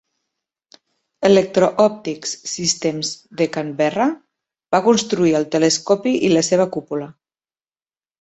Electro Optics Systems de Canberra va construir el telescopi i la seva cúpula.